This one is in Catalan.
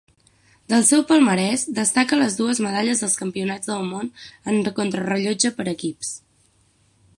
Del seu palmarès destaca les dues medalles als Campionats del món en contrarellotge per equips.